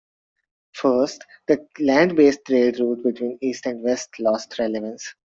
First, the land based trade route between east and west lost relevance.